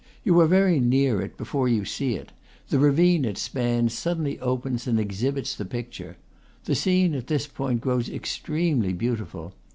You are very near it before you see it; the ravine it spans suddenly opens and exhibits the picture. The scene at this point grows extremely beautiful.